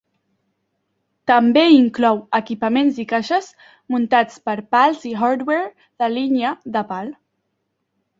També inclou equipaments i caixes muntats per pals i hardware de línia de pal.